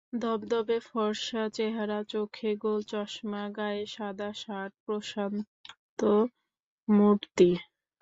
ধবধবে ফরসা চেহারা, চোখে গোল চশমা, গায়ে সাদা শার্ট প্রশান্ত মূর্তি।